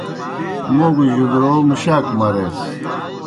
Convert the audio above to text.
مو (مُوڙوْ) گہ جُدرو مُشاک مریس